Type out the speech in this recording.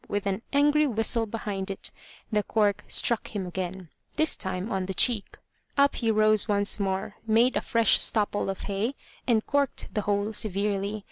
with an angry whistle behind it, the cork struck him again, this time on the cheek. Up he rose once more, made a fresh stopple of hay, and corked the hole severely.